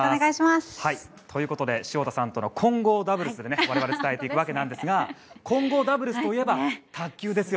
ということで潮田さんとの混合ダブルスで我々伝えていくわけですが混合ダブルスといえば卓球。